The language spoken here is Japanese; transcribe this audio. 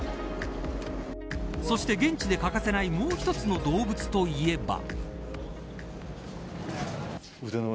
そして現地で欠かせないもう１つの動物といえば。